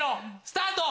スタート！